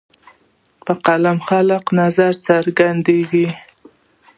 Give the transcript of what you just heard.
په قلم د خلکو نظر څرګندېږي.